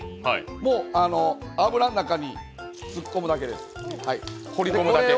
もう油の中に突っ込むだけです、放り込むだけ。